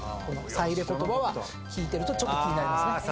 このさ入れ言葉は聞いてるとちょっと気になりますね。